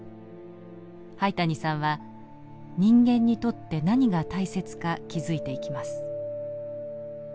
灰谷さんは人間にとって何が大切か気づいていきます。